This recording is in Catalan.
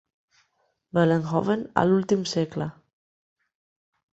Vollenhoven a l'últim segle.